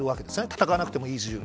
戦わなくてもいい自由。